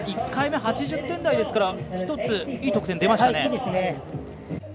１回目８０点台ですからいい得点、出ましたね。